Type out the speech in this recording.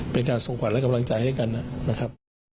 เป็นการส่งขวัญและกำลังใจให้กันนะครับ